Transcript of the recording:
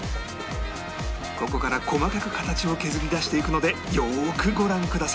ここから細かく形を削り出していくのでよーくご覧ください